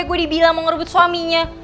gue dibilang mau merebut suaminya